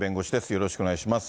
よろしくお願いします。